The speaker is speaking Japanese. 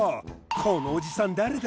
このおじさん誰だ？